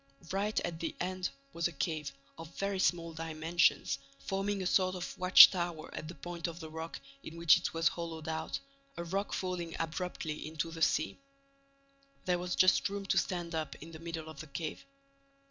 Right at the end was a cave of very small dimensions, forming a sort of watch tower at the point of the rock in which it was hollowed out, a rock falling abruptly into the sea. There was just room to stand up in the middle of the cave.